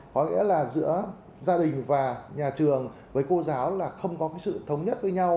có nghĩa là giữa gia đình và nhà trường với cô giáo là không có cái sự thống nhất với nhau